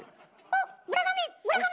あっ村上！